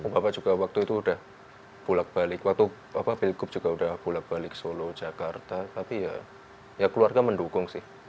bapak juga waktu itu udah bulat balik waktu bapak bilkup juga udah bulat balik solo jakarta tapi ya ya keluarga mendukung sih